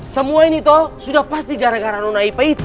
semua ini toh sudah pasti gara gara nona ipa itu